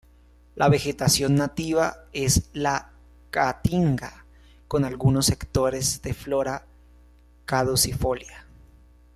La vegetación nativa es la Caatinga con algunos sectores de flora caducifolia.